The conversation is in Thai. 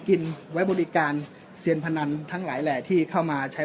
กินไว้บริการเซียนพนันทั้งหลายแหล่ที่เข้ามาใช้